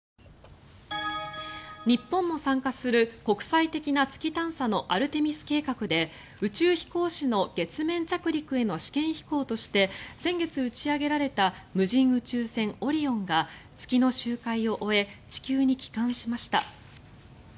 日本も参加する国際的な月探査のアルテミス計画で宇宙飛行士の月面着陸への試験飛行として先月打ち上げられた無人宇宙船オリオンが月の周回を終え地球に帰還しました。